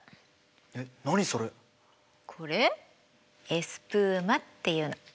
エスプーマっていうの。